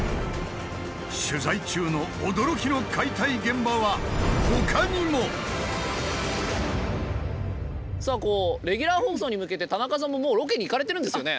取材中の驚きの解体現場は他にも！さあレギュラー放送に向けて田中さんももうロケに行かれてるんですよね？